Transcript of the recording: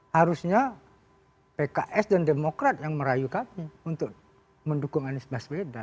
harusnya pks dan demokrat yang merayu kami untuk mendukung anis bahasa beda